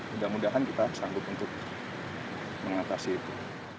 mudah mudahan kita sanggup untuk mengatasi itu